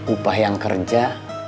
upah yang kerja